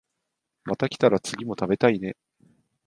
また来たら次も食べたいね